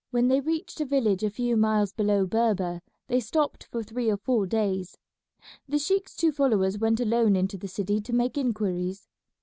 When they reached a village a few miles below Berber they stopped for three or four days. The sheik's two followers went alone into the city to make inquiries.